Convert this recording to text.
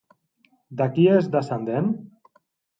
De qui és descendent?